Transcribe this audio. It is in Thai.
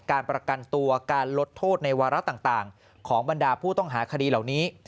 การประกันตัวการลดโทษในวาระต่างของบรรดาผู้ต้องหาคดีเหล่านี้